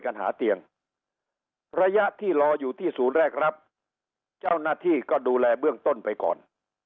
หาเตียงระยะที่รออยู่ที่ศูนย์แรกรับเจ้าหน้าที่ก็ดูแลเบื้องต้นไปก่อน